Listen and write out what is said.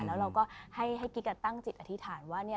แล้วเราก็ให้กิ๊กตั้งจิตอธิษฐานว่าเนี่ย